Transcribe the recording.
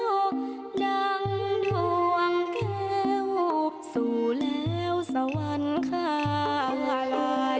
ทูลกระหม่อมแก้วสู่แล้วสวรรคาไหล